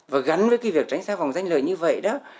và gắn với cái việc tránh xa vòng danh lợi như vậy đó